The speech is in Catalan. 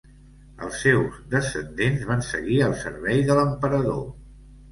Els seus descendents van seguir al servei de l'emperador.